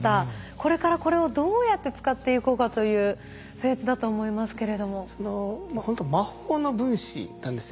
これからこれをどうやって使っていこうかというフェーズだと思いますけれども。